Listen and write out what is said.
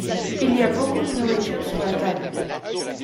Il y a beaucoup de nourriture sur la table.